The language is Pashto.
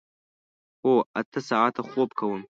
هو، اته ساعته خوب کوم